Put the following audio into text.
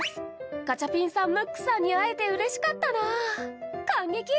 ガチャピンさん、ムックさんに会えてよかったな、感激。